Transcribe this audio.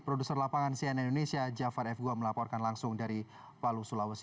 produser lapangan cnn indonesia jafar f gua melaporkan langsung dari palu sulawesi